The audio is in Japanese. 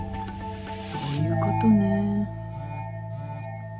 そういうことね。